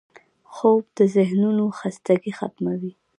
خوب د ذهنو خستګي ختموي